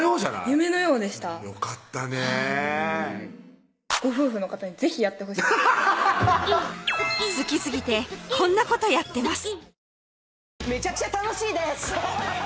夢のようでしたよかったねご夫婦の方に是非やってほしい好きすぎてこんなことやってます